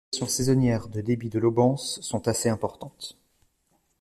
Les fluctuations saisonnières de débit de l'Aubance sont assez importantes.